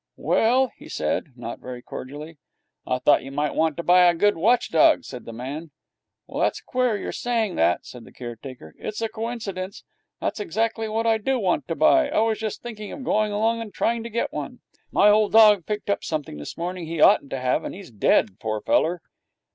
'Well?' he said, not very cordially. 'I thought you might want to buy a good watch dog,' said the man. 'Well, that's queer, your saying that,' said the caretaker. 'It's a coincidence. That's exactly what I do want to buy. I was just thinking of going along and trying to get one. My old dog picked up something this morning that he oughtn't to have, and he's dead, poor feller.'